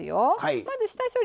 まず下処理